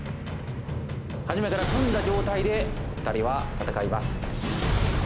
初めから組んだ状態で２人は戦います。